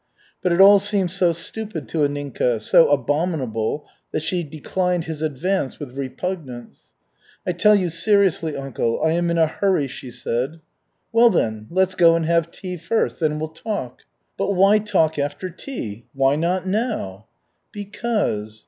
But it all seemed so stupid to Anninka, so abominable, that she declined his advance with repugnance. "I tell you seriously, uncle, I am in a hurry," she said. "Well, then, let's go and have tea first, then we'll talk." "But why talk after tea? Why not now?" "Because.